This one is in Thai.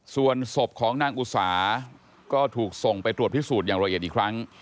ส่วนศพของนางอุสาก็ถูกส่งไปตรวจพิสูจน์อย่างละเอียดอีกครั้ง